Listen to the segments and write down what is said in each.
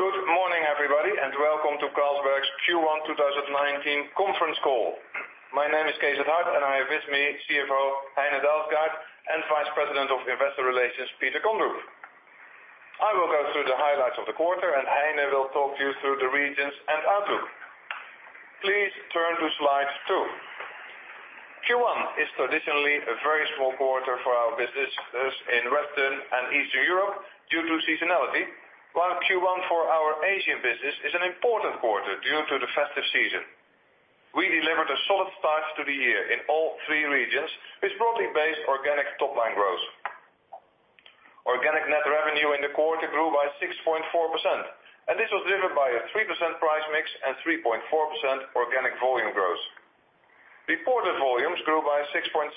Good morning, everybody, and welcome to Carlsberg's Q1 2019 conference call. My name is Cees 't Hart. I have with me CFO Heine Dalsgaard and Vice President of Investor Relations, Peter Kondrup. I will go through the highlights of the quarter, and Heine will talk you through the regions and outlook. Please turn to slide two. Q1 is traditionally a very small quarter for our businesses in Western and Eastern Europe due to seasonality, while Q1 for our Asian business is an important quarter due to the festive season. We delivered a solid start to the year in all three regions with broadly based organic top-line growth. Organic net revenue in the quarter grew by 6.4%. This was driven by a 3% price mix and 3.4% organic volume growth. Reported volumes grew by 6.7%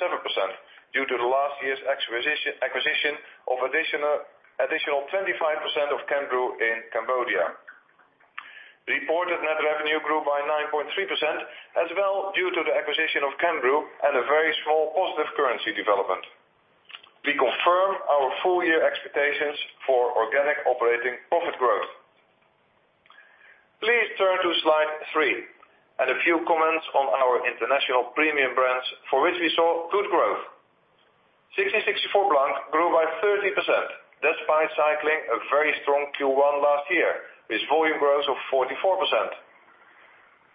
due to the last year's acquisition of additional 25% of Cambrew in Cambodia. Reported net revenue grew by 9.3% as well due to the acquisition of Cambrew and a very small positive currency development. We confirm our full-year expectations for organic operating profit growth. Please turn to slide three. A few comments on our international premium brands for which we saw good growth. 1664 Blanc grew by 30%, despite cycling a very strong Q1 last year with volume growth of 44%.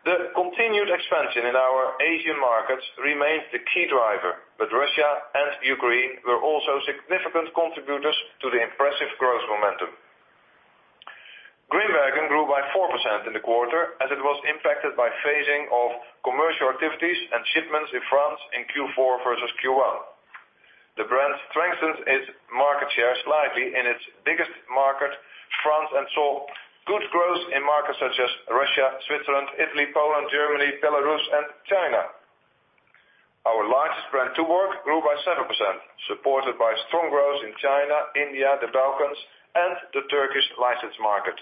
The continued expansion in our Asian markets remains the key driver, but Russia and Ukraine were also significant contributors to the impressive growth momentum. Grimbergen grew by 4% in the quarter, as it was impacted by phasing of commercial activities and shipments in France in Q4 versus Q1. The brand strengthened its market share slightly in its biggest market, France, and saw good growth in markets such as Russia, Switzerland, Italy, Poland, Germany, Belarus, and China. Our largest brand, Tuborg, grew by 7%, supported by strong growth in China, India, the Balkans, and the Turkish licensed market.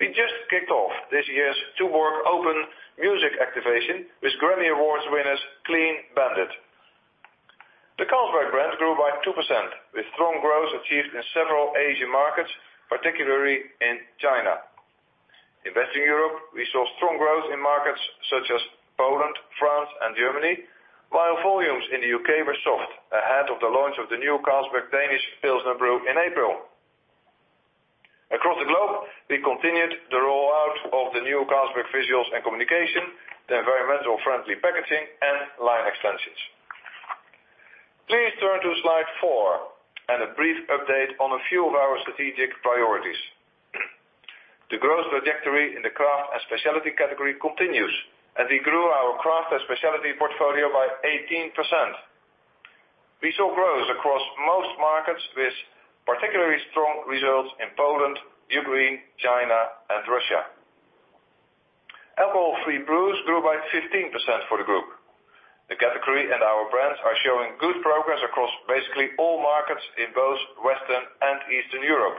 We just kicked off this year's Tuborg Open music activation with Grammy Awards winners Clean Bandit. The Carlsberg brand grew by 2%, with strong growth achieved in several Asian markets, particularly in China. In Western Europe, we saw strong growth in markets such as Poland, France, and Germany, while volumes in the U.K. were soft ahead of the launch of the new Carlsberg Danish Pilsner brew in April. Across the globe, we continued the rollout of the new Carlsberg visuals and communication, the environmental-friendly packaging, and line extensions. Please turn to slide four. A brief update on a few of our strategic priorities. The growth trajectory in the craft and specialty category continues. We grew our craft and specialty portfolio by 18%. We saw growth across most markets with particularly strong results in Poland, Ukraine, China, and Russia. Alcohol-free brews grew by 15% for the group. The category and our brands are showing good progress across basically all markets in both Western and Eastern Europe.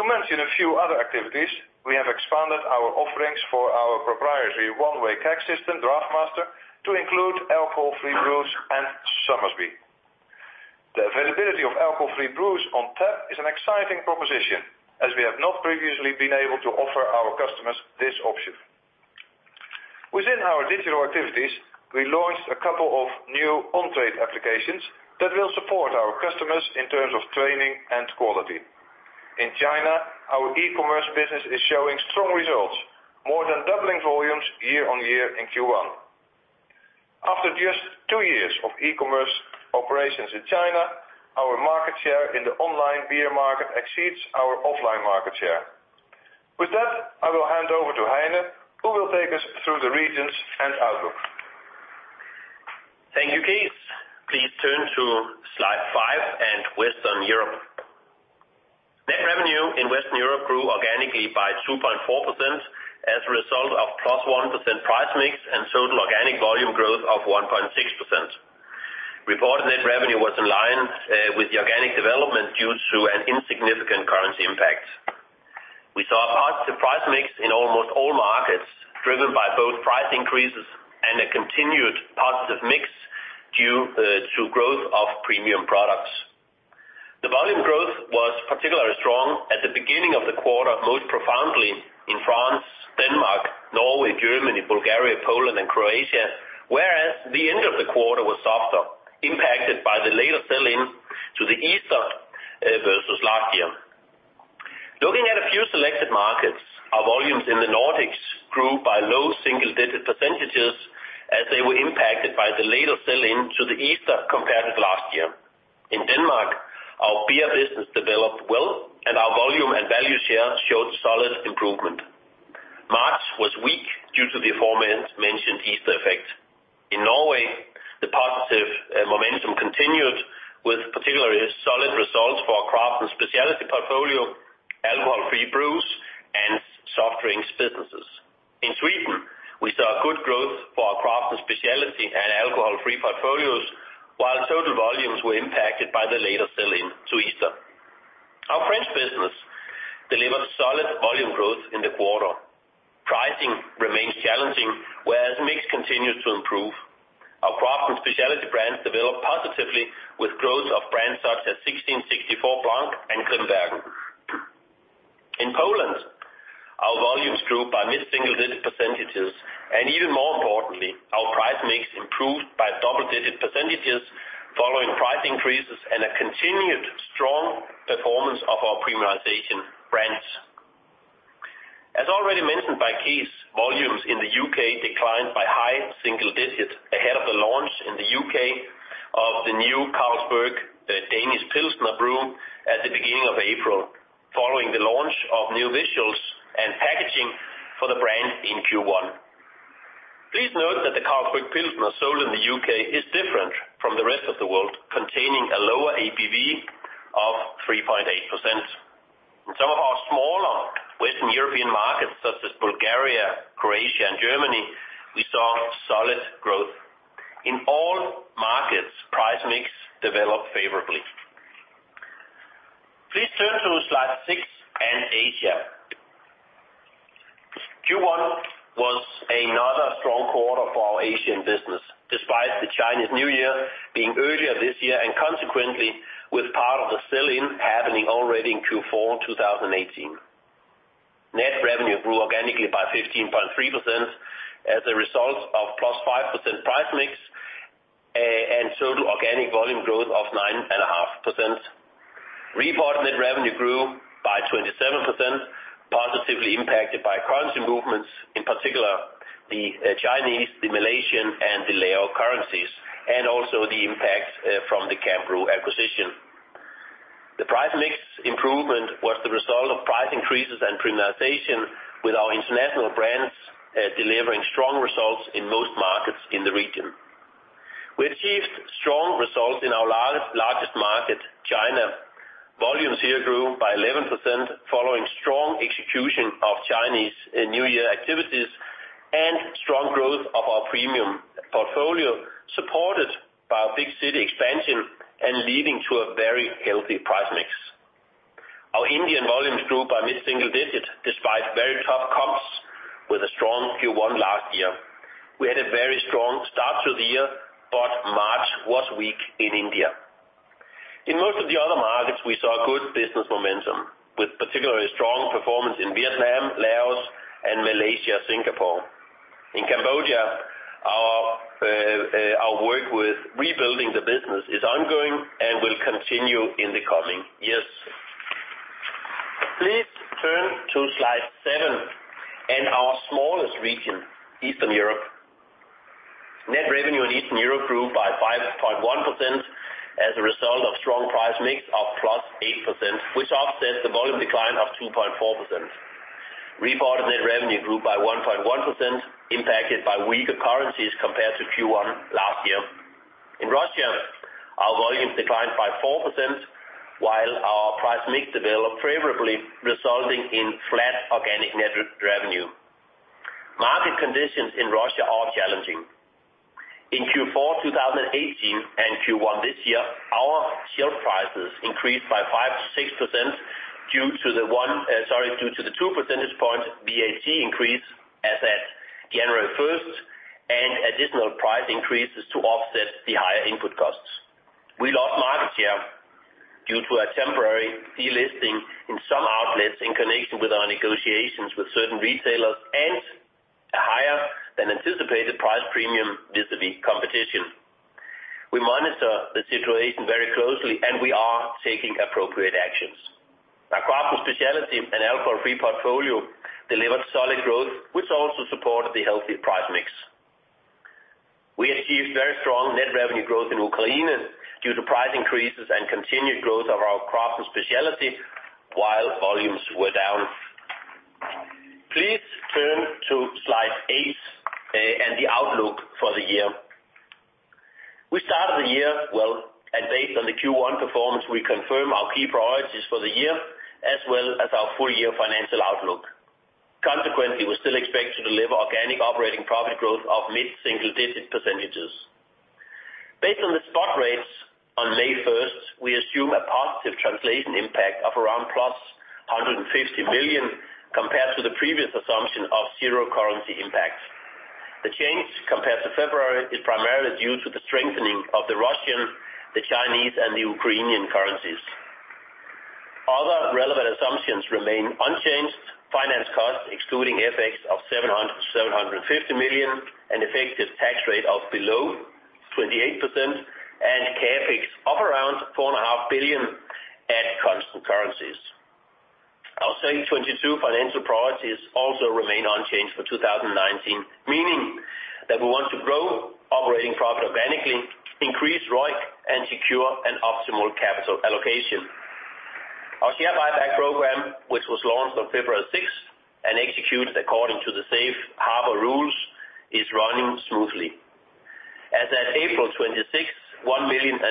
To mention a few other activities, we have expanded our offerings for our proprietary one-way keg system, DraughtMaster, to include alcohol-free brews and Somersby. The availability of alcohol-free brews on tap is an exciting proposition, as we have not previously been able to offer our customers this option. Within our digital activities, we launched a couple of new on-trade applications that will support our customers in terms of training and quality. In China, our e-commerce business is showing strong results, more than doubling volumes year on year in Q1. After just two years of e-commerce operations in China, our market share in the online beer market exceeds our offline market share. With that, I will hand over to Heine, who will take us through the regions and outlook. Thank you, Cees. Please turn to slide five and Western Europe. Net revenue in Western Europe grew organically by 2.4% as a result of +1% price mix and total organic volume growth of 1.6%. Reported net revenue was in line with the organic development due to an insignificant currency impact. We saw a positive price mix in almost all markets, driven by both price increases and a continued positive mix due to growth of premium products. The volume growth was particularly strong at the beginning of the quarter, most profoundly in France, Denmark, Norway, Germany, Bulgaria, Poland, and Croatia, whereas the end of the quarter was softer, impacted by the later sell-in to the Easter versus last year. Looking at a few selected markets, our volumes in the Nordics grew by low single-digit % as they were impacted by the later sell-in to the Easter compared with last year. In Denmark, our beer business developed well, and our volume and value share showed solid improvement. March was weak due to the aforementioned Easter effect. In Norway, the positive momentum continued with particularly solid results for our craft and specialty portfolio, alcohol-free brews, and soft drinks businesses. In Sweden, we saw good growth for our craft and specialty and alcohol-free portfolios, while total volumes were impacted by the later sell-in to Easter. Our French business delivered solid volume growth in the quarter. Pricing remains challenging, whereas mix continues to improve. Our craft and specialty brands developed positively with growth of brands such as 1664 Blanc and Grimbergen. In Poland, our volumes grew by mid-single digit % and even more importantly, our price mix improved by double-digit % following price increases and a continued strong performance of our premiumization brands. As already mentioned by Cees, volumes in the U.K. declined by high single digits ahead of the launch in the U.K. of the new Carlsberg, the Danish Pilsner, at the beginning of April, following the launch of new visuals and packaging for the brand in Q1. Please note that the Carlsberg Danish Pilsner sold in the U.K. is different from the rest of the world, containing a lower ABV of 3.8%. In some of our smaller Western European markets such as Bulgaria, Croatia, and Germany, we saw solid growth. In all markets, price mix developed favorably. Please turn to slide six and Asia. Q1 was another strong quarter for our Asian business, despite the Chinese New Year being earlier this year, and consequently, with part of the sell-in happening already in Q4 2018. Net revenue grew organically by 15.3% as a result of +5% price mix and total organic volume growth of 9.5%. Reported net revenue grew by 27%, positively impacted by currency movements, in particular the Chinese, the Malaysian, and the Lao currencies, and also the impact from the Cambrew acquisition. The price mix improvement was the result of price increases and premiumization with our international brands, delivering strong results in most markets in the region. We achieved strong results in our largest market, China. Volumes here grew by 11% following strong execution of Chinese New Year activities and strong growth of our premium portfolio, supported by our big city expansion and leading to a very healthy price mix. Our Indian volumes grew by mid-single digits despite very tough comps with a strong Q1 last year. We had a very strong start to the year, but March was weak in India. In most of the other markets, we saw good business momentum, with particularly strong performance in Vietnam, Laos, and Malaysia, Singapore. In Cambodia, our work with rebuilding the business is ongoing and will continue in the coming years. Please turn to slide seven and our smallest region, Eastern Europe. Net revenue in Eastern Europe grew by 5.1% as a result of strong price mix of +8%, which offsets the volume decline of 2.4%. Reported net revenue grew by 1.1%, impacted by weaker currencies compared to Q1 last year. In Russia, our volumes declined by 4%, while our price mix developed favorably, resulting in flat organic net revenue. Market conditions in Russia are challenging. In Q4 2018 and Q1 this year, our shelf prices increased by 5%-6% due to the two percentage point VAT increase as at January 1st, and additional price increases to offset the higher input costs. We lost market share due to a temporary delisting in some outlets in connection with our negotiations with certain retailers and a higher than anticipated price premium vis-à-vis competition. We monitor the situation very closely, and we are taking appropriate actions. Our craft specialty and alcohol-free portfolio delivered solid growth, which also supported the healthy price mix. We achieved very strong net revenue growth in Ukraine due to price increases and continued growth of our craft and specialty while volumes were down. Please turn to slide eight and the outlook for the year. We started the year well, and based on the Q1 performance, we confirm our key priorities for the year as well as our full-year financial outlook. Consequently, we still expect to deliver organic operating profit growth of mid-single digit percentages. Based on the spot rates on May 1st, we assume a positive translation impact of around +150 million compared to the previous assumption of zero currency impact. The change compared to February is primarily due to the strengthening of the Russian, the Chinese, and the Ukrainian currencies. Other relevant assumptions remain unchanged. Finance costs, excluding FX of 700 million-750 million, an effective tax rate of below 28%, and CapEx of around 4.5 billion at constant currencies. Our Strategy TwentyTwo financial priorities also remain unchanged for 2019, meaning that we want to grow operating profit organically, increase ROIC, and secure an optimal capital allocation. Our share buyback program, which was launched on February 6th and executed according to the safe harbor rules, is running smoothly. As at April 26th, 1,041,000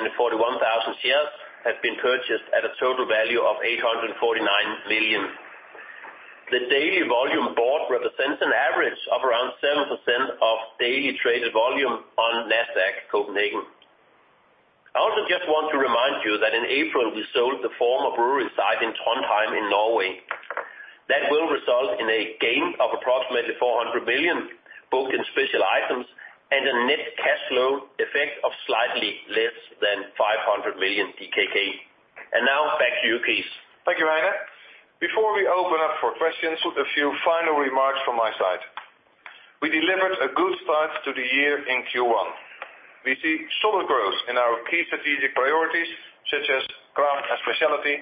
shares have been purchased at a total value of 849 million. The daily volume bought represents an average of around 7% of daily traded volume on Nasdaq Copenhagen. I also just want to remind you that in April, we sold the former brewery site in Trondheim, in Norway. That will result in a gain of approximately 400 million, both in special items and a net cash flow effect of slightly less than 500 million DKK. Now back to you, Cees. Thank you, Heine. Before we open up for questions, a few final remarks from my side. We delivered a good start to the year in Q1. We see solid growth in our key strategic priorities such as craft and specialty.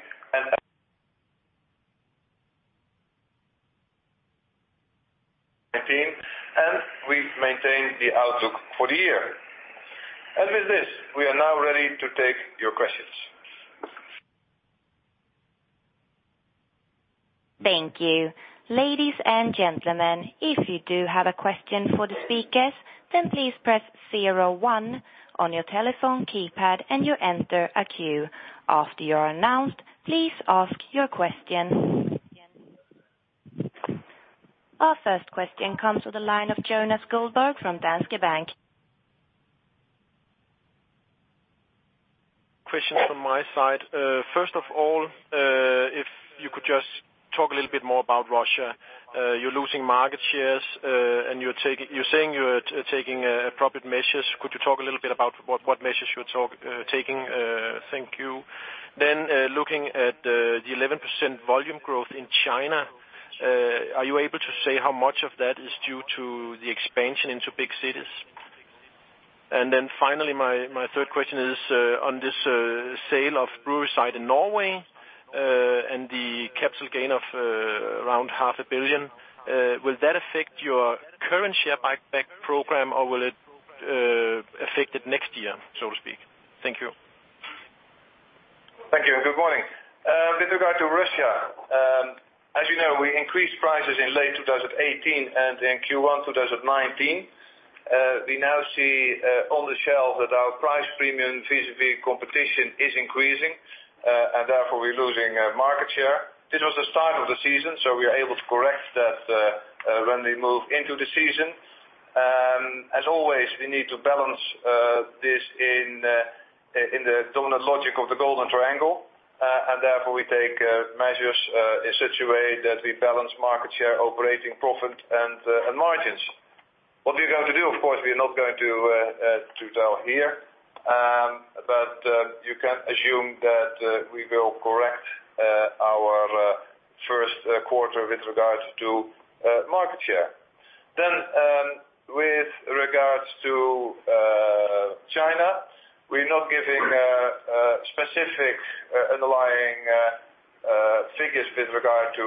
We've maintained the outlook for the year. With this, we are now ready to take your questions. Thank you. Ladies and gentlemen, if you do have a question for the speakers, then please press zero one on your telephone keypad, and you enter a queue. After you are announced, please ask your question. Our first question comes to the line of Jonas Guldborg from Danske Bank. Questions from my side. First of all, if you could just talk a little bit more about Russia. You're losing market shares, and you're saying you're taking appropriate measures. Could you talk a little bit about what measures you're taking? Thank you. Looking at the 11% volume growth in China, are you able to say how much of that is due to the expansion into big cities? Finally, my third question is on this sale of brewery site in Norway, and the capital gain of around half a billion, will that affect your current share buyback program or will it affect it next year, so to speak? Thank you. Thank you, and good morning. With regard to Russia, as you know, we increased prices in late 2018 and in Q1 2019. We now see on the shelf that our price premium vis-à-vis competition is increasing, and therefore we're losing market share. This was the start of the season. We are able to correct that when we move into the season. As always, we need to balance this in the dominant logic of the golden triangle. Therefore, we take measures in such a way that we balance market share, operating profit, and margins. What we're going to do, of course, we are not going to tell here. You can assume that we will correct our first quarter with regards to market share. With regards to China, we're not giving specific underlying figures with regard to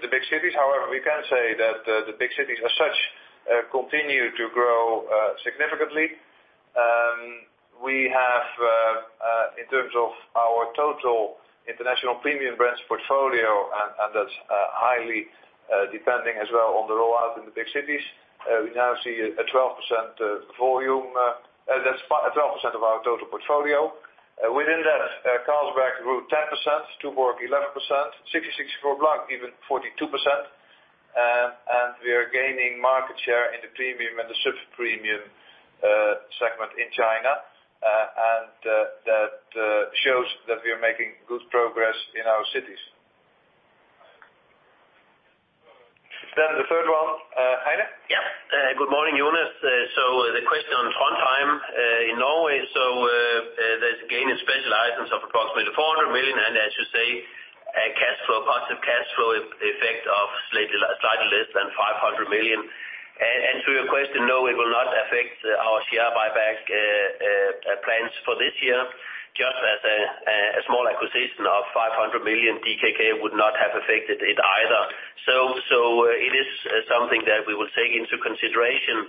the big cities. However, we can say that the big cities as such continue to grow significantly. We have, in terms of our total international premium brands portfolio. That's highly depending as well on the rollout in the big cities. We now see a 12% volume. That's 12% of our total portfolio. Within that, Carlsberg grew 10%, Tuborg 11%, 1664 Blanc even 42%. We are gaining market share in the premium and the sub-premium segment in China. That shows that we are making good progress in our cities. The third one, Heine? Good morning, Jonas. The question on Trondheim in Norway, so there's a gain in special items of approximately 400 million, and as you say, a positive cash flow effect of slightly less than 500 million. To your question, no, it will not affect our share buyback plans for this year, just as a small acquisition of 500 million DKK would not have affected it either. It is something that we will take into consideration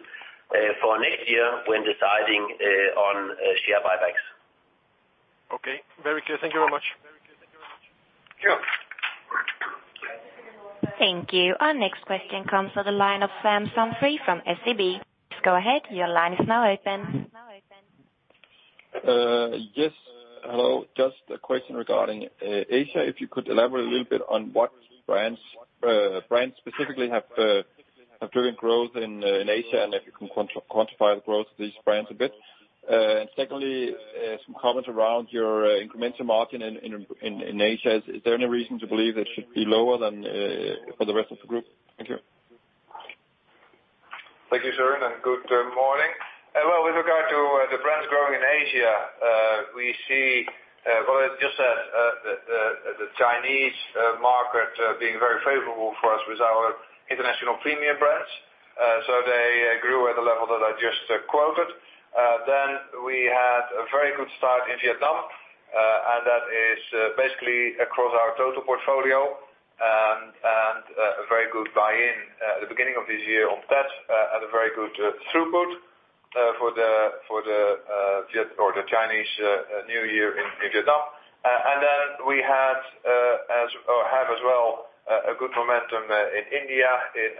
for next year when deciding on share buybacks. Okay. Very clear. Thank you very much. Sure. Thank you. Our next question comes to the line of Sam Humphrey from SEB. Go ahead, your line is now open. Yes. Hello. Just a question regarding Asia. If you could elaborate a little bit on what brands specifically have driven growth in Asia, and if you can quantify the growth of these brands a bit. And secondly, some comment around your incremental margin in Asia. Is there any reason to believe that it should be lower than for the rest of the group? Thank you. Thank you, Søren, and good morning. Well, with regard to the brands growing in Asia, we see what I just said, the Chinese market being very favorable for us with our international premium brands. They grew at the level that I just quoted. We had a very good start in Vietnam, and that is basically across our total portfolio, and a very good buy-in at the beginning of this year on Tet and a very good throughput for the Chinese New Year in Vietnam. We have as well a good momentum in India,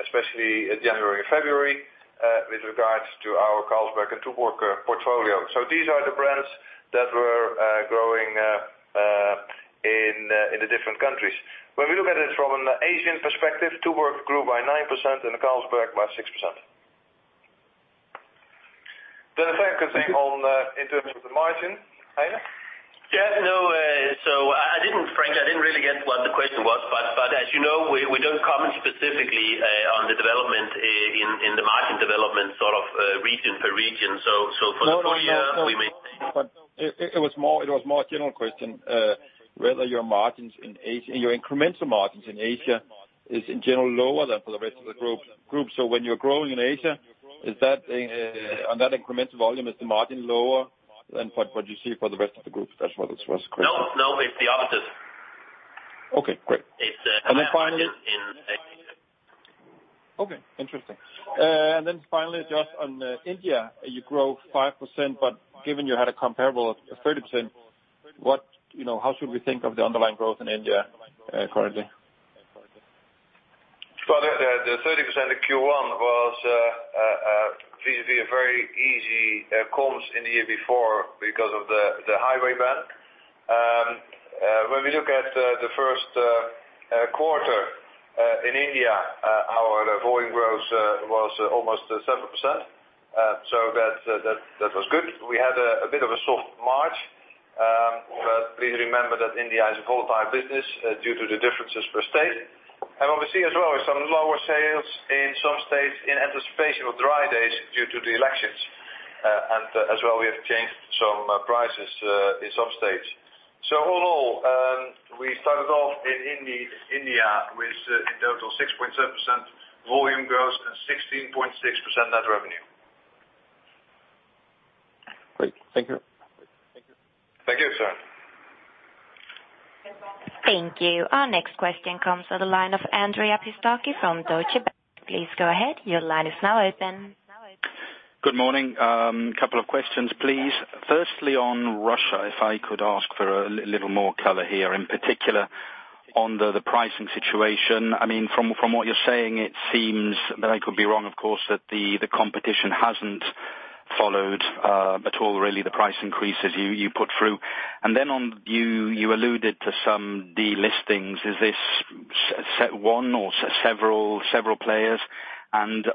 especially January and February, with regards to our Carlsberg and Tuborg portfolio. These are the brands that were growing In the different countries. When we look at it from an Asian perspective, Tuborg grew by 9% and Carlsberg by 6%. The second thing in terms of the margin. Heine? Yeah. Frankly, I didn't really get what the question was, but as you know, we don't comment specifically on the development in the margin development region per region. for the full year, we may- It was more general question, whether your margins in Asia, and your incremental margins in Asia is in general lower than for the rest of the group. When you're growing in Asia, on that incremental volume, is the margin lower than what you see for the rest of the group? That was the question. No, it's the opposite. Okay, great. It's a in Asia. Okay, interesting. Finally, just on India, you grow 5%, but given you had a comparable of 30%, how should we think of the underlying growth in India currently? Well, the 30% Q1 was visibly a very easy comps in the year before because of the highway ban. When we look at the first quarter in India, our volume growth was almost 7%. That was good. We had a bit of a soft March. Please remember that India is a volatile business due to the differences per state. Obviously as well, some lower sales in some states in anticipation of dry days due to the elections. As well, we have changed some prices in some states. All in all, we started off in India with, in total, 6.7% volume growth and 16.6% net revenue. Great. Thank you. Thank you, sir. Thank you. Our next question comes to the line of Andrea Pistocchi from Deutsche Bank. Please go ahead. Your line is now open. Good morning. Couple of questions, please. Firstly, on Russia, if I could ask for a little more color here, in particular on the pricing situation. From what you're saying, it seems, but I could be wrong, of course, that the competition hasn't followed, at all really, the price increases you put through. You alluded to some delistings. Is this one or several players?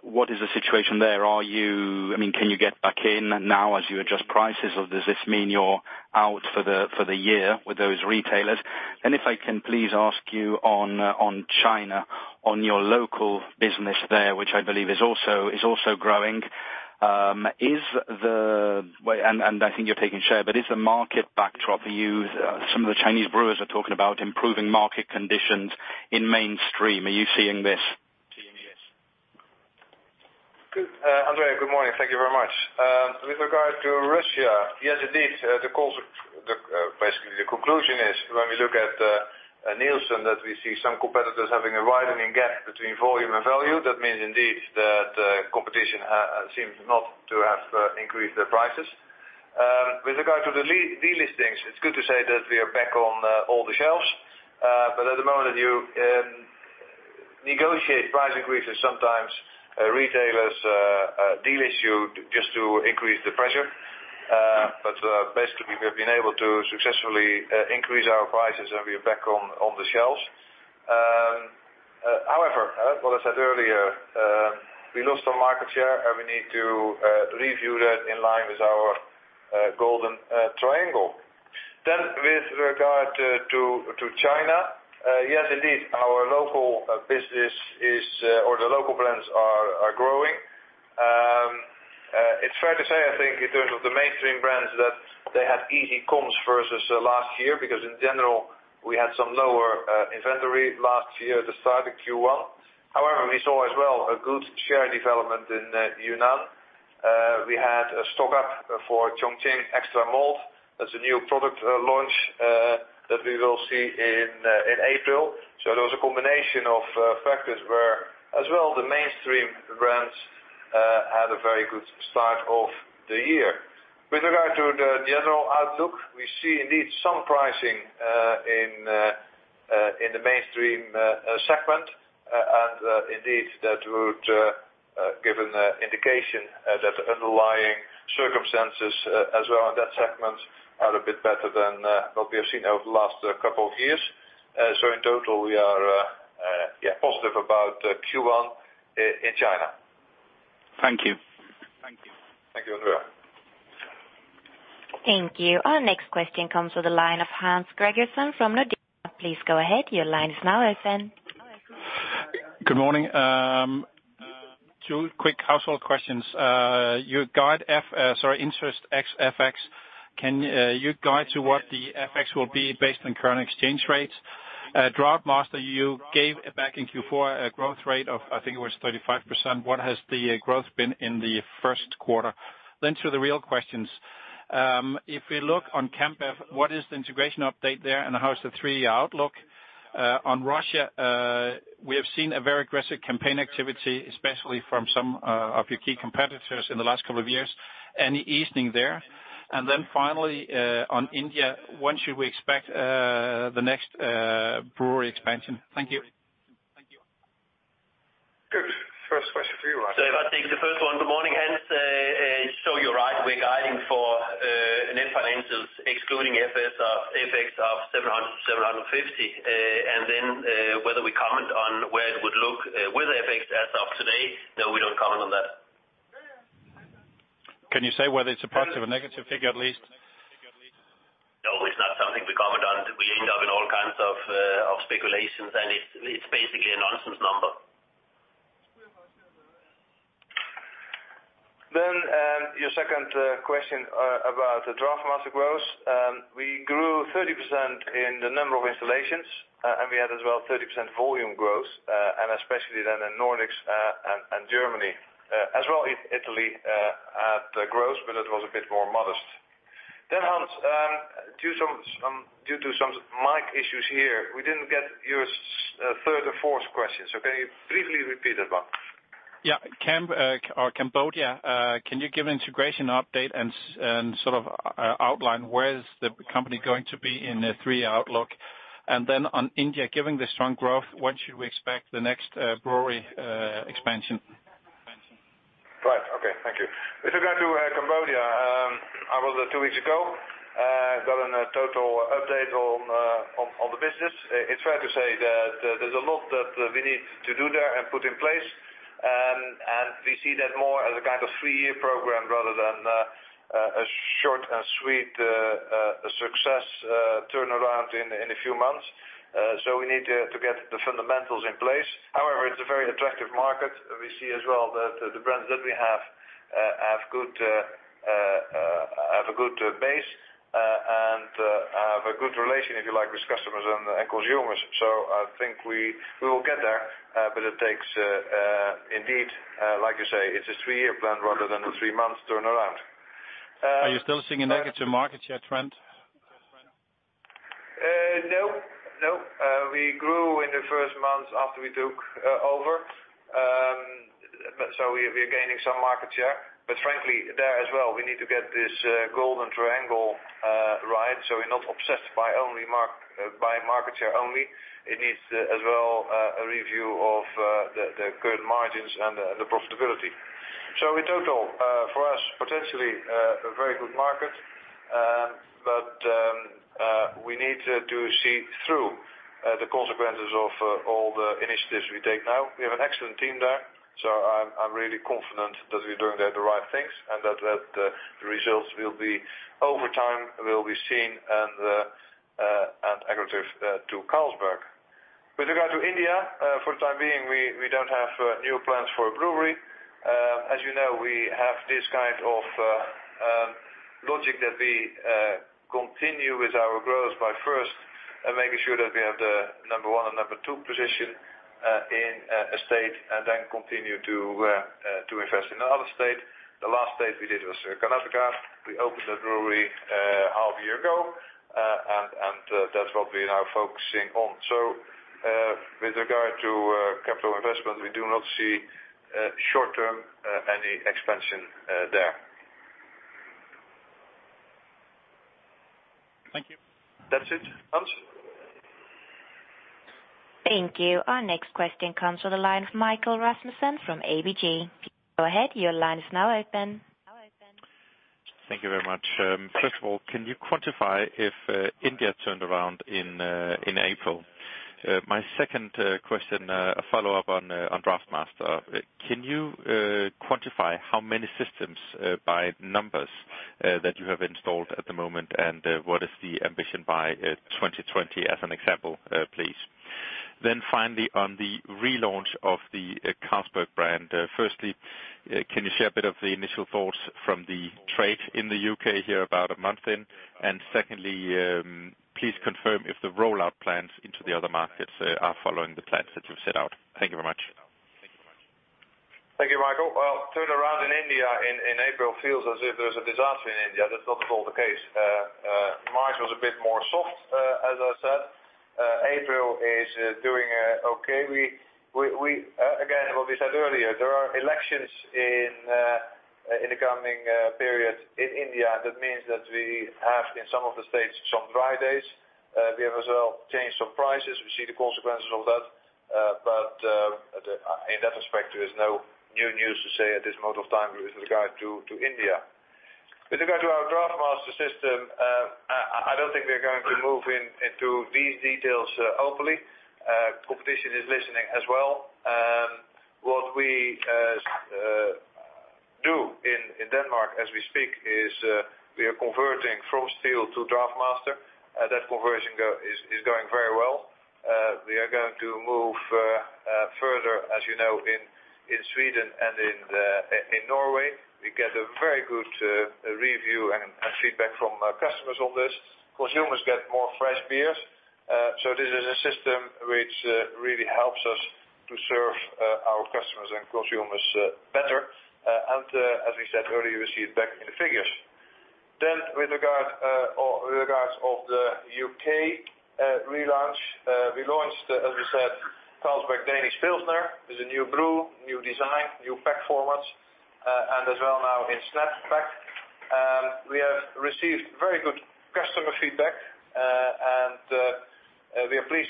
What is the situation there? Can you get back in now as you adjust prices, or does this mean you're out for the year with those retailers? If I can please ask you on China, on your local business there, which I believe is also growing. I think you're taking share, but is the market backdrop for you, some of the Chinese brewers are talking about improving market conditions in mainstream. Are you seeing this? Good. Andrea, good morning. Thank you very much. With regard to Russia, yes, indeed, basically the conclusion is when we look at Nielsen that we see some competitors having a widening gap between volume and value. That means indeed that competition seems not to have increased their prices. With regard to the delistings, it's good to say that we are back on all the shelves. At the moment, you negotiate price increases sometimes, retailers delist you just to increase the pressure. Basically, we have been able to successfully increase our prices, we are back on the shelves. However, what I said earlier, we lost some market share, we need to review that in line with our golden triangle. With regard to China, yes, indeed, our local business is, or the local brands are growing. It's fair to say, I think, in terms of the mainstream brands, that they had easy comps versus last year, because in general, we had some lower inventory last year at the start of Q1. However, we saw as well a good share development in Yunnan. We had a stock-up for Chongqing Extra Malt. That's a new product launch that we will see in April. There was a combination of factors where as well, the mainstream brands had a very good start of the year. With regard to the general outlook, we see indeed some pricing in the mainstream segment. Indeed, that would give an indication that underlying circumstances as well on that segment are a bit better than what we have seen over the last couple of years. In total, we are positive about Q1 in China. Thank you. Thank you, Andrea. Thank you. Our next question comes to the line of Hans Gregersen from Nordea. Please go ahead. Your line is now open. Good morning. Two quick household questions. Your guidance for, sorry, interest ex FX, can you guide to what the FX will be based on current exchange rates? DraughtMaster, you gave back in Q4 a growth rate of, I think it was 35%. What has the growth been in the first quarter? To the real questions. If we look on Cambrew, what is the integration update there, and how is the three-year outlook? On Russia, we have seen a very aggressive campaign activity, especially from some of your key competitors in the last couple of years. Any easing there? Finally, on India, when should we expect the next brewery expansion? Thank you. Net financials excluding FX of 700, 750. Whether we comment on where it would look with FX as of today, no, we don't comment on that. Can you say whether it's a positive or negative figure at least? No, it's not something we comment on. We end up in all kinds of speculations, and it's basically a nonsense number. Your second question about the DraughtMaster growth. We grew 30% in the number of installations, and we had as well 30% volume growth, and especially then in Nordics and Germany. As well in Italy had growth, but it was a bit more modest. Hans, due to some mic issues here, we didn't get your third or fourth questions. Can you briefly repeat them? Cambodia, can you give an integration update and outline where is the company going to be in the three-year outlook? On India, given the strong growth, when should we expect the next brewery expansion? Right. Okay, thank you. With regard to Cambodia, I was there two weeks ago. Got a total update on the business. It's fair to say that there's a lot that we need to do there and put in place. We see that more as a kind of three-year program rather than a short and sweet success turnaround in a few months. We need to get the fundamentals in place. However, it's a very attractive market. We see as well that the brands that we have a good base, and have a good relation, if you like, with customers and the consumers. I think we will get there, but it takes indeed, like you say, it's a three-year plan rather than a three-months turnaround. Are you still seeing a negative market share trend? We grew in the first months after we took over. We're gaining some market share, frankly, there as well, we need to get this golden triangle right. We're not obsessed by market share only. It needs as well a review of the current margins and the profitability. In total, for us, potentially a very good market, but we need to see through the consequences of all the initiatives we take now. We have an excellent team there, I'm really confident that we're doing there the right things and that the results over time will be seen and accretive to Carlsberg. With regard to India, for the time being, we don't have new plans for a brewery. As you know, we have this logic that we continue with our growth by first making sure that we have the number 1 and number 2 position in a state, then continue to invest in the other state. The last state we did was Karnataka. We opened that brewery a half year ago, and that's what we are now focusing on. With regard to capital investment, we do not see short-term any expansion there. Thank you. That's it, Hans. Thank you. Our next question comes from the line of Mikkel Rasmussen from ABG. Go ahead, your line is now open. Thank you very much. First of all, can you quantify if India turned around in April? My second question, a follow-up on DraughtMaster. Can you quantify how many systems by numbers that you have installed at the moment, and what is the ambition by 2020 as an example, please? Finally, on the relaunch of the Carlsberg brand. Firstly, can you share a bit of the initial thoughts from the trade in the U.K. here about a month in? Secondly, please confirm if the rollout plans into the other markets are following the plans that you've set out. Thank you very much. Thank you, Mikkel. Turnaround in India in April feels as if there was a disaster in India. That's not at all the case. March was a bit more soft, as I said. April is doing okay. What we said earlier, there are elections in the coming period in India. That means that we have, in some of the states, some dry days. We have as well changed some prices. We see the consequences of that. In that respect, there is no new news to say at this moment of time with regard to India. With regard to our DraughtMaster system, I don't think we're going to move into these details openly. Competition is listening as well. What we do in Denmark as we speak is, we are converting from steel to DraughtMaster. That conversion is going very well. We are going to move further, as you know, in Sweden and in Norway. We get a very good review and feedback from customers on this. Consumers get more fresh beers. This is a system which really helps us to serve our customers and consumers better. As we said earlier, we see it back in the figures. With regards of the U.K. relaunch, we launched, as we said, Carlsberg Danish Pilsner. It's a new brew, new design, new pack formats, and as well now in Snap Pack. We are pleased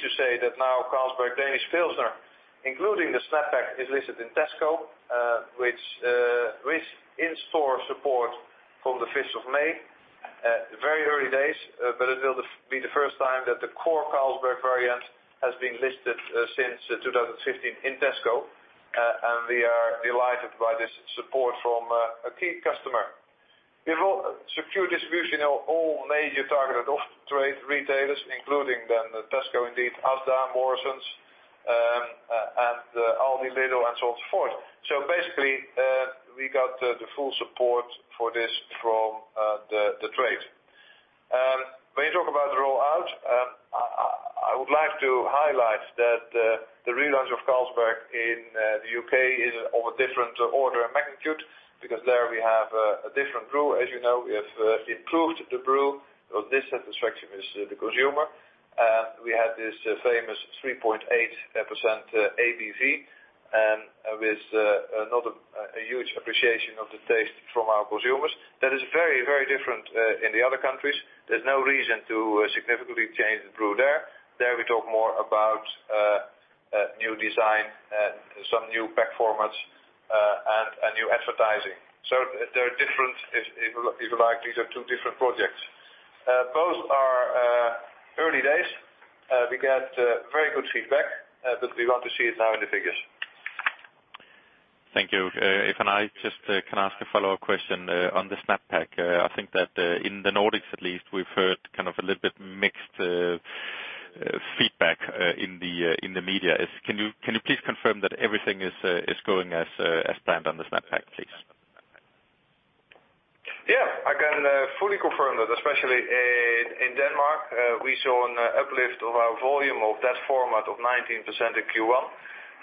to say that now Carlsberg Danish Pilsner, including the Snap Pack, is listed in Tesco, with in-store support from the 5th of May. It will be the first time that the core Carlsberg variant has been listed since 2015 in Tesco. We are delighted by this support from a key customer. We've secured distribution in all major targeted off-trade retailers, including Tesco, Asda, Morrisons, Aldi, Lidl, and so forth. Basically, we got the full support for this from the trade. When you talk about the rollout, I would like to highlight that the relaunch of Carlsberg in the U.K. is of a different order of magnitude because there we have a different brew. As you know, we have improved the brew. There was dissatisfaction with the consumer. We had this famous 3.8% ABV, with a huge appreciation of the taste from our consumers. That is very different in the other countries. There's no reason to significantly change the brew there. There, we talk more about new design and some new pack formats, and new advertising. They're different, if you like. These are two different projects. Both are early days. We get very good feedback. We want to see it now in the figures. Thank you. If I just can ask a follow-up question on the Snap Pack. I think that in the Nordics at least, we've heard a little bit mixed feedback in the media. Can you please confirm that everything is going as planned on the Snap Pack, please? I can fully confirm that especially in Denmark. We saw an uplift of our volume of that format of 19% in Q1.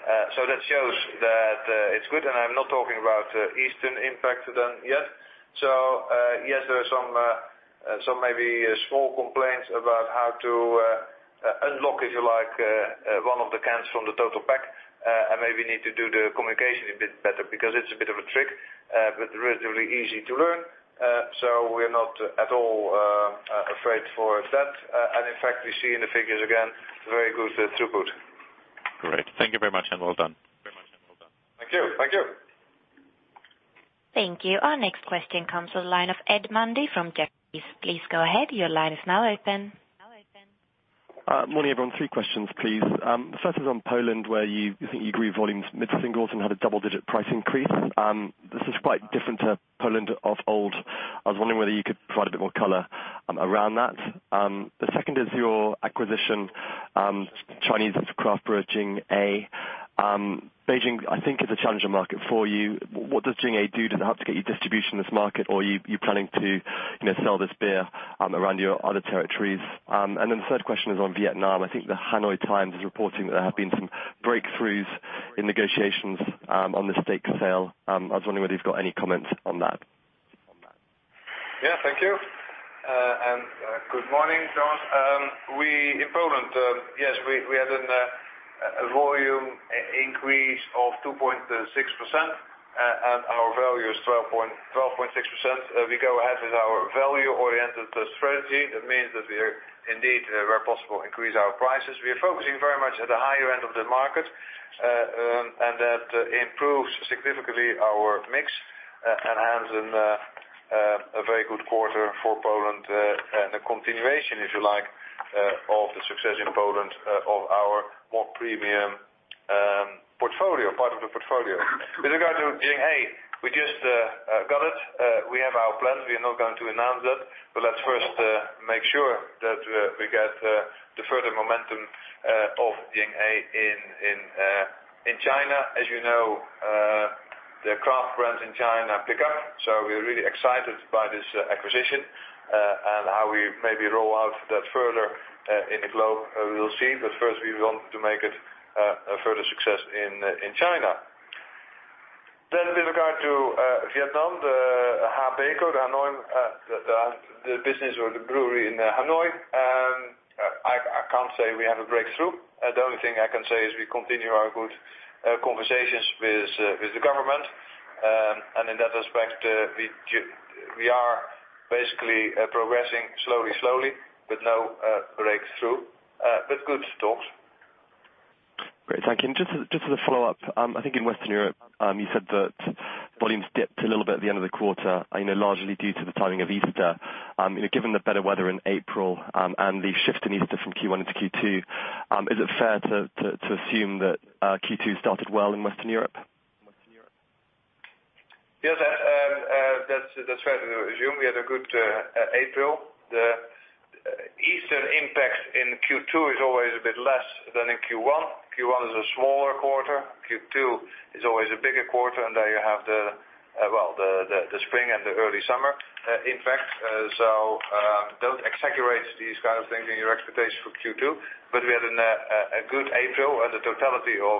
That shows that it's good, and I'm not talking about Easter impact then yet. Yes, there are some maybe small complaints about how to unlock, if you like, one of the cans from the total pack, and maybe need to do the communication a bit better because it's a bit of a trick, but relatively easy to learn. We're not at all afraid for that. In fact, we see in the figures, again, very good throughput. Great. Thank you very much, and well done. Thank you. Thank you. Our next question comes to the line of Ed Mundy from Jefferies. Please go ahead. Your line is now open. Morning, everyone. Three questions, please. The first is on Poland, where you think you grew volumes mid-singles and had a double-digit price increase. This is quite different to Poland of old. I was wondering whether you could provide a bit more color around that. The second is your acquisition, Chinese craft brewer, Jing-A. Beijing, I think, is a challenging market for you. What does Jing-A do to help to get you distribution in this market? Or you're planning to sell this beer around your other territories? The third question is on Vietnam. I think the Hanoi Times is reporting that there have been some breakthroughs in negotiations on the state sale. I was wondering whether you've got any comments on that. Thank you. Good morning, Ed. In Poland, yes, we had a volume increase of 2.6%, and our value is 12.6%. We go ahead with our value-oriented strategy. That means that we indeed, where possible, increase our prices. We are focusing very much at the higher end of the market, and that improves significantly our mix and has a very good quarter for Poland and a continuation, if you like, of the success in Poland of our more premium part of the portfolio. With regard to Jing-A, we just got it. We have our plans. We are now going to announce that, but let's first make sure that we get the further momentum of Jing-A in China. You know, the craft brands in China pick up. We're really excited by this acquisition and how we maybe roll out that further in the globe, we will see. First, we want to make it a further success in China. With regard to Vietnam, Habeco, the business or the brewery in Hanoi, I can't say we have a breakthrough. The only thing I can say is we continue our good conversations with the government. In that respect, we are basically progressing slowly, but no breakthrough. Good talks. Great, thank you. Just as a follow-up, I think in Western Europe, you said that volumes dipped a little bit at the end of the quarter, I know largely due to the timing of Easter. Given the better weather in April and the shift in Easter from Q1 into Q2, is it fair to assume that Q2 started well in Western Europe? Yes, that's fair to assume. We had a good April. The Easter impact in Q2 is always a bit less than in Q1. Q1 is a smaller quarter. Q2 is always a bigger quarter, and there you have the spring and the early summer impact. Don't exaggerate these kinds of things in your expectations for Q2. We had a good April, and the totality of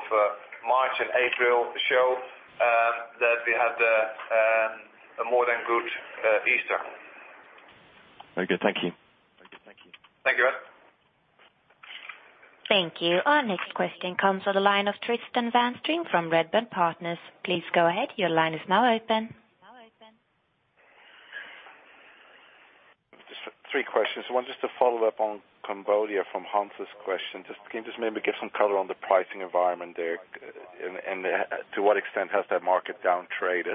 March and April show that we had a more than good Easter. Very good. Thank you. Thank you. Thank you. Our next question comes on the line of Tristan van Strien from Redburn Partners. Please go ahead. Your line is now open. Just three questions. One, just to follow up on Cambodia from Hans's question. Can you just maybe give some color on the pricing environment there, and to what extent has that market downtraded?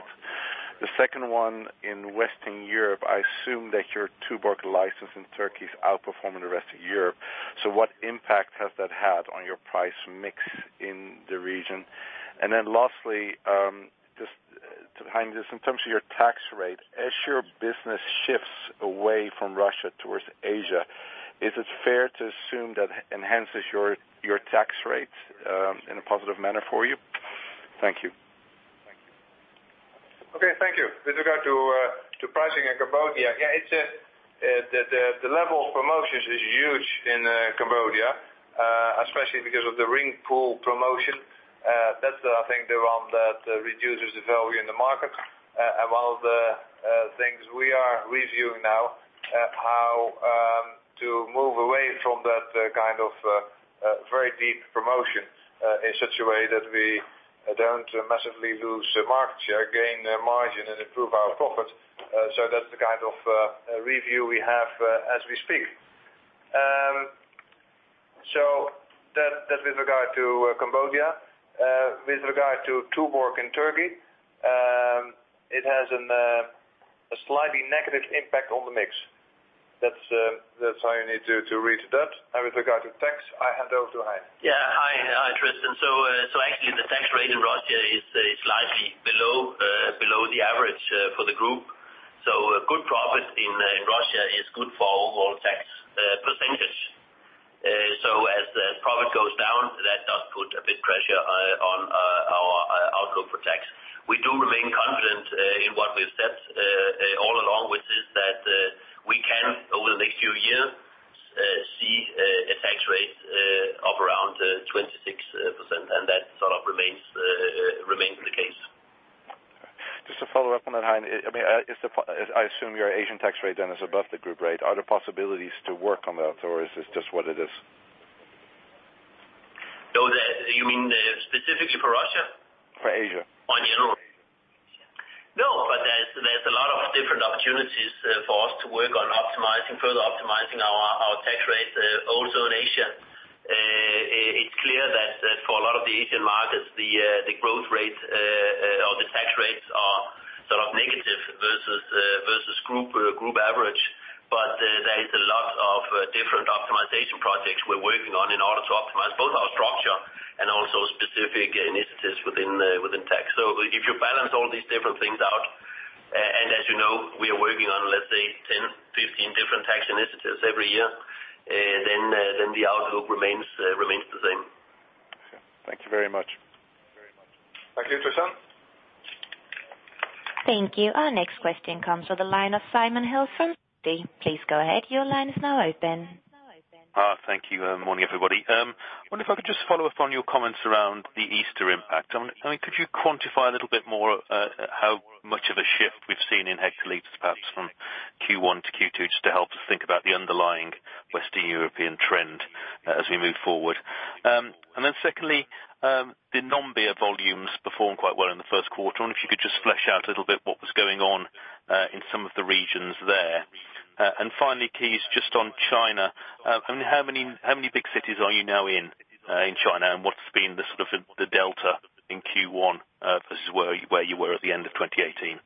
The second one in Western Europe, I assume that your Tuborg license in Turkey is outperforming the rest of Europe. What impact has that had on your price mix in the region? Lastly, to Heine, in terms of your tax rate, as your business shifts away from Russia towards Asia, is it fair to assume that enhances your tax rate in a positive manner for you? Thank you. Okay, thank you. With regard to pricing in Cambodia, the level of promotions is huge in Cambodia, especially because of the ring pull promotion. That's I think the one that reduces the value in the market. One of the things we are reviewing now, how to move away from that kind of very deep promotion in such a way that we don't massively lose market share, gain margin, and improve our profit. That's the kind of review we have as we speak. That's with regard to Cambodia. With regard to Tuborg in Turkey, it has a slightly negative impact on the mix. That's how you need to read that. With regard to tax, I hand over to Heine. Yeah. Hi, Tristan. Actually the tax rate in Russia is slightly below the average for the group. A good profit in Russia is good for overall tax percentage. As profit goes down, that does put a bit pressure on our outlook for tax. We do remain confident in what we've said all along, which is that we can, over the next few years, see a tax rate of around 26%, and that sort of remains the case. Just to follow up on that, Hein, I assume your Asian tax rate then is above the group rate. Are there possibilities to work on that, or is this just what it is? You mean specifically for Russia? For Asia. In general? No, there's a lot of different opportunities for us to work on further optimizing our tax rate also in Asia. It's clear that for a lot of the Asian markets, the growth rate or the tax rates are sort of negative versus group average. There is a lot of different optimization projects we're working on in order to optimize both our structure and also specific initiatives within tax. If you balance all these different things out, and as you know, we are working on let's say 10, 15 different tax initiatives every year, then the outlook remains the same. Okay. Thank you very much. Thank you, Tristan. Thank you. Our next question comes from the line of Simon Hales. Please go ahead. Your line is now open. Thank you. Morning, everybody. Wonder if I could just follow up on your comments around the Easter impact. Could you quantify a little bit more how much of a shift we've seen in hectoliters, perhaps from Q1 to Q2, just to help us think about the underlying Western European trend as we move forward? Secondly, the non-beer volumes performed quite well in the first quarter. I wonder if you could just flesh out a little bit what was going on in some of the regions there. Finally, Cees, just on China, how many big cities are you now in in China, and what's been the delta in Q1 versus where you were at the end of 2018?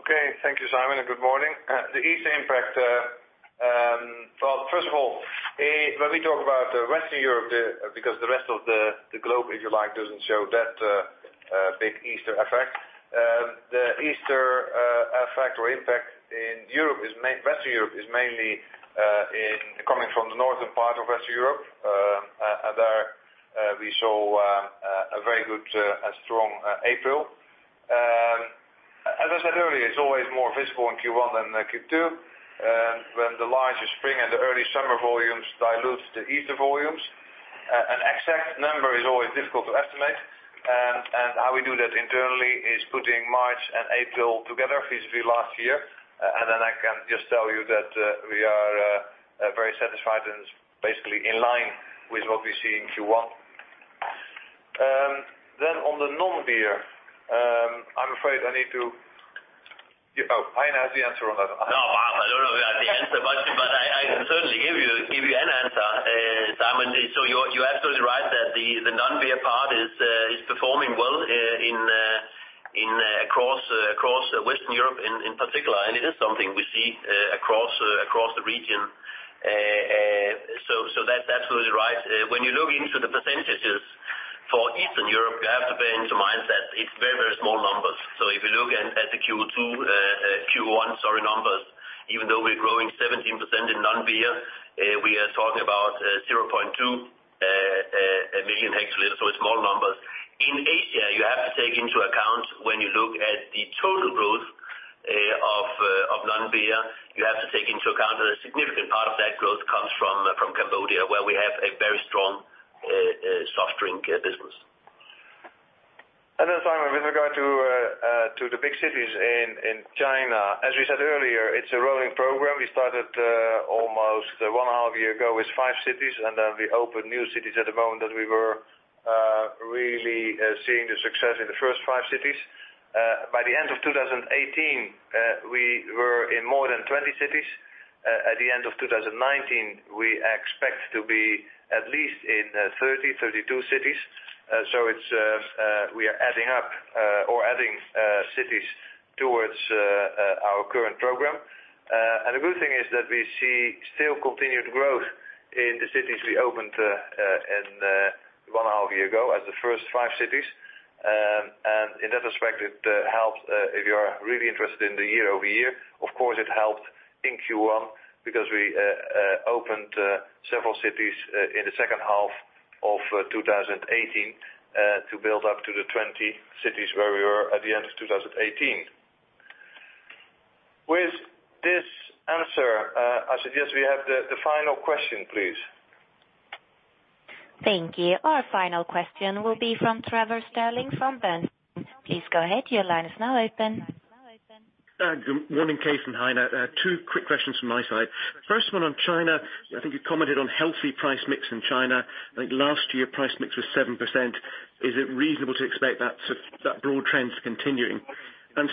Okay. Thank you, Simon, and good morning. The Easter impact, well, first of all, when we talk about Western Europe, because the rest of the globe, if you like, doesn't show that big Easter effect. The Easter effect or impact in Western Europe is mainly coming from the northern part of Western Europe. There we saw a very good and strong April. As I said earlier, it's always more visible in Q1 than Q2, when the larger spring and the early summer volumes dilute the Easter volumes. An exact number is always difficult to estimate. How we do that internally is putting March and April together vis-à-vis last year. I can just tell you that we are very satisfied and basically in line with what we see in Q1. On the non-beer, I'm afraid I need to Hein has the answer on that. No, I don't know if I have the answer, but I can certainly give you an answer, Simon. You're absolutely right that the non-beer part is performing well across Western Europe in particular, and it is something we see across the region. That's absolutely right. When you look into the percentages for Eastern Europe, you have to bear into mind that it's very small numbers. If you look at the Q1 numbers, even though we're growing 17% in non-beer, we are talking about 0.2 million hectoliters, so it's small numbers. In Asia, you have to take into account when you look at the total growth of non-beer, you have to take into account that a significant part of that growth comes from Cambodia, where we have a very strong soft drink business. Simon Hales, with regard to the big cities in China, as we said earlier, it is a rolling program. We started almost 1 and a half years ago with 5 cities. We opened new cities at the moment that we were really seeing the success in the first 5 cities. By the end of 2018, we were in more than 20 cities. At the end of 2019, we expect to be at least in 30, 32 cities. We are adding up or adding cities towards our current program. The good thing is that we see still continued growth in the cities we opened 1 and a half years ago as the first 5 cities. In that respect, it helps if you are really interested in the year-over-year. Of course, it helped in Q1 because we opened several cities in the second half of 2018 to build up to the 20 cities where we were at the end of 2018. With this answer, I suggest we have the final question, please. Thank you. Our final question will be from Trevor Stirling from Bernstein. Please go ahead. Your line is now open. Good morning, Cees and Heine. Two quick questions from my side. First one on China. I think you commented on healthy price mix in China. I think last year price mix was 7%. Is it reasonable to expect that broad trend to continue?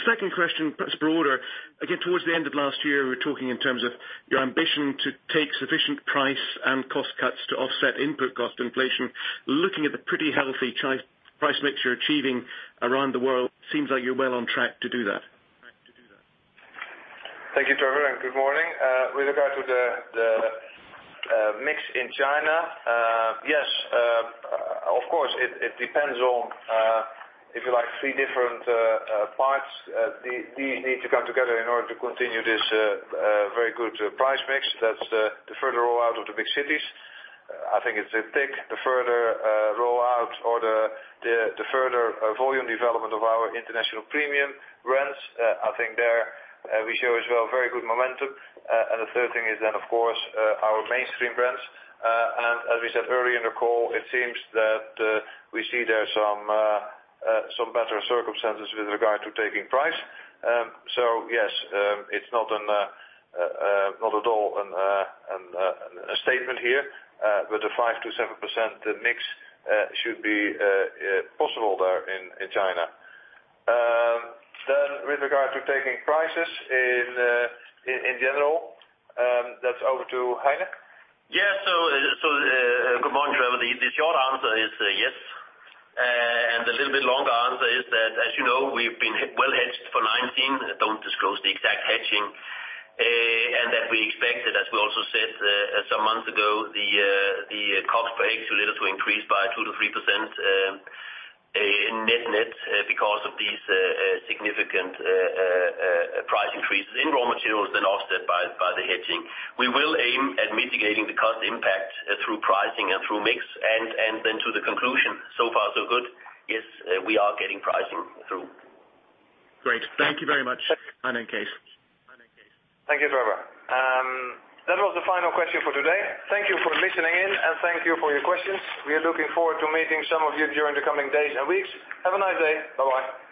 Second question, perhaps broader, again, towards the end of last year, we were talking in terms of your ambition to take sufficient price and cost cuts to offset input cost inflation. Looking at the pretty healthy price mix you're achieving around the world, seems like you're well on track to do that. Thank you, Trevor, and good morning. With regard to the mix in China, yes, of course, it depends on if you like, three different parts. These need to come together in order to continue this very good price mix. That's the further rollout of the big cities. I think it's a tick, the further rollout or the further volume development of our international premium brands. I think there we show as well very good momentum. The third thing is then, of course, our mainstream brands. As we said earlier in the call, it seems that we see there some better circumstances with regard to taking price. Yes, it's not at all a statement here, but a 5%-7% mix should be possible there in China. With regard to taking prices in general, that's over to Heine. Yes. Good morning, Trevor. The short answer is yes. The little bit longer answer is that, as you know, we've been well hedged for 2019. Don't disclose the exact hedging. That we expected, as we also said some months ago, the COGS per hl to increase by 2%-3% net net because of these significant price increases in raw materials, then offset by the hedging. We will aim at mitigating the cost impact through pricing and through mix to the conclusion, so far so good. Yes, we are getting pricing through. Great. Thank you very much, Heine and Cees. Thank you, Trevor. That was the final question for today. Thank you for listening in, and thank you for your questions. We are looking forward to meeting some of you during the coming days and weeks. Have a nice day. Bye-bye.